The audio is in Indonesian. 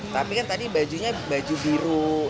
tapi kan tadi bajunya baju biru